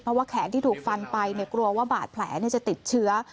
เพราะว่าแขนที่ถูกฟันไปกลัวว่าบาดแผลจะติดเชื้อ